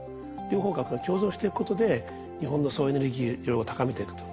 両方が共存していくことで日本の総エネルギー量を高めていくと。